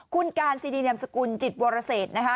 คุณการซีดีนามสกุลจิตวรเศษนะคะ